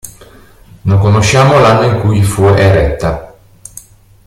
Non conosciamo l'anno in cui fu eretta.